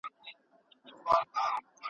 دا مانا په کډوالۍ کې ژوره ده.